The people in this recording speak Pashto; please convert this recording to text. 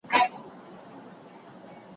زه به سبا مړۍ وخورم